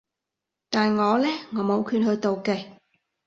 但我呢？我冇權去妒忌